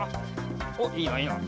おっいいないいな。